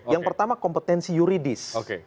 yang pertama kompetensi yuridis